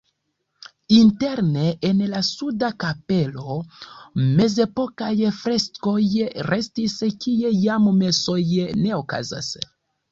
Interne en la suda kapelo mezepokaj freskoj restis, kie jam mesoj ne okazas.